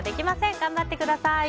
頑張ってください。